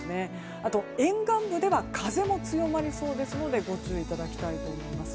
あと、沿岸部では風も強まりそうですのでご注意いただきたいと思います。